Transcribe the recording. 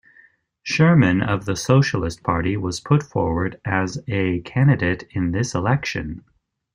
Sherman of the Socialist Party was put forward as a candidate in this election.